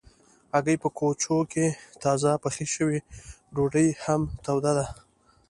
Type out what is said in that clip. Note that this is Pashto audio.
هګۍ په کوچو کې تازه پخې شوي ډوډۍ هم توده ده.